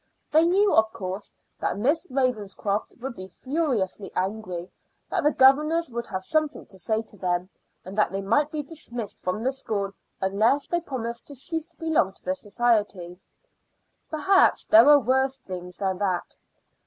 They knew, of course, that Miss Ravenscroft would be furiously angry, that the governors would have something to say to them, and that they might be dismissed from the school unless they promised to cease to belong to the society. Perhaps there were worse things than that.